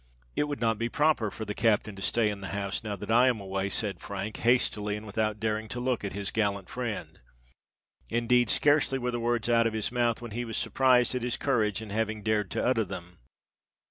"It would not be proper for the captain to stay in the house now that I am away," said Frank, hastily, and without daring to look at his gallant friend: indeed, scarcely were the words out of his mouth, when he was surprised at his courage in having dared to utter them.